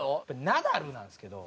ナダルなんですけど。